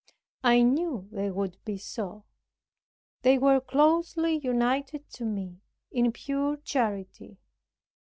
I knew they would be so; they were closely united to me in pure charity.